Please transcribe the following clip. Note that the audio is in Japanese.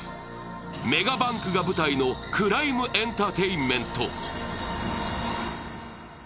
メガバンクが舞台のクライム・エンターテインメント。